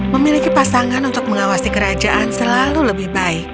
memiliki pasangan untuk mengawasi kerajaan selalu lebih baik